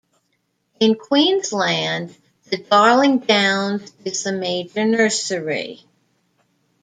In Queensland the Darling Downs is the major nursery.